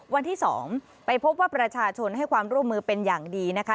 วันที่๒ไปพบว่าประชาชนให้ความร่วมมือเป็นอย่างดีนะคะ